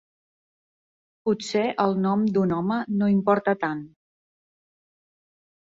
Potser el nom d'un home no importa tant.